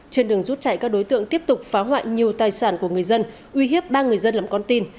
trên đường rút chạy các đối tượng tiếp tục phá hoại nhiều tài sản của người dân uy hiếp ba người dân làm con tin